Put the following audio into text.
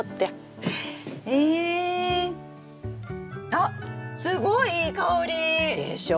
あっすごいいい香り！でしょ？